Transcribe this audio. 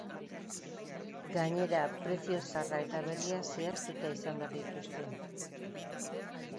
Gainera, prezio zaharra eta berria zehaztuta izan behar dituzte.